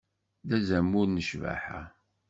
D azamul n ccbaḥa.